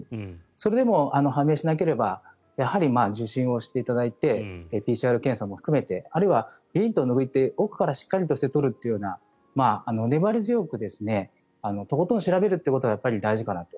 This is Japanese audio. それで判明しなければやはり受診をしていただいてＰＣＲ検査も含めてあるいは咽頭を拭って奥からしっかり取るというような粘り強くとことん調べるということが大事かなと。